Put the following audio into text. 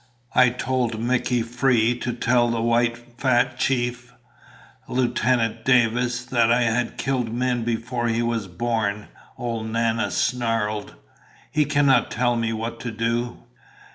"I told Mickey Free to tell the fat white chief, Lieutenant Davis, that I had killed men before he was born!" old Nana snarled. "He cannot tell me what to do!"